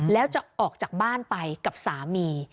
แล้วจะออกจากบ้านไปกับสามี